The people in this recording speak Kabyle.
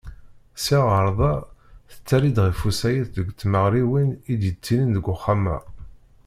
Sya ɣer da, tettali-d ɣef usayes deg tmeɣriwin i d-yettilin deg Uxxam-a.